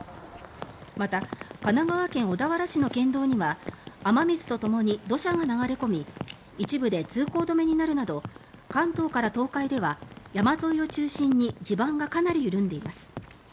また神奈川県小田原市の県道には雨水とともに土砂が流れ込み一部で通行止めになるなど関東から東海では山沿いを中心に地盤がかなり緩んでいます。